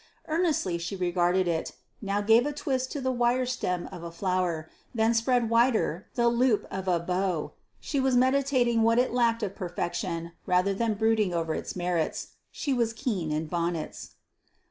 Earnestly she regarded it now gave a twist to the wire stem of a flower, then spread wider the loop of a bow. She was meditating what it lacked of perfection rather than brooding over its merits: she was keen in bonnets.